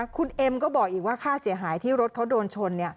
คุณเอ็มก็บอกอีกว่าค่าเสียหายที่รถเขาโดนชน